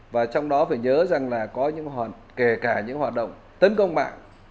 và trong đó phải nhớ rằng là có những hoạt động kể cả những hoạt động tấn công mạng